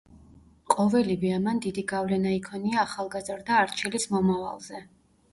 ყოველივე ამან დიდი გავლენა იქონია ახალგაზრდა არჩილის მომავალზე.